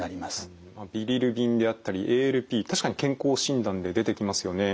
ビリルビンであったりＡＬＰ確かに健康診断で出てきますよね。